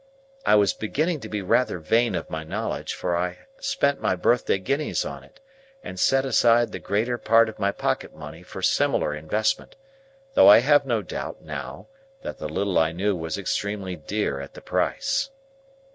I was beginning to be rather vain of my knowledge, for I spent my birthday guineas on it, and set aside the greater part of my pocket money for similar investment; though I have no doubt, now, that the little I knew was extremely dear at the price.